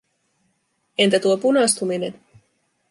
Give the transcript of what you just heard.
Entä tuo punastuminen?